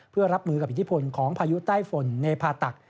เพื่อรับมือกับอิทธิพลของพายุใต้ฝนในพาตัก